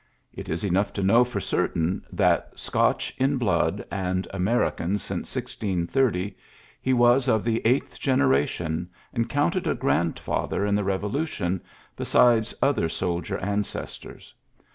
It enough to know for certain that, >tch in blood and American since >30, he was of the eighth generation, id counted a grandfather in the Bevo ^tion, besides other soldier ancestors.